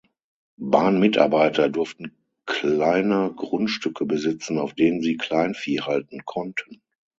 Bahnmitarbeiter durften kleine Grundstücke besitzen, auf denen sie Kleinvieh halten konnten.